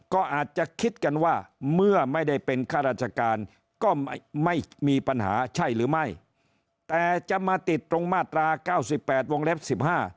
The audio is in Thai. ก็อาจจะคิดกันว่าเมื่อไม่ได้เป็นข้าราชการก็ไม่มีปัญหาใช่หรือไม่แต่จะมาติดตรงมาตราเก้าสิบแปดวงเล็บสิบห้า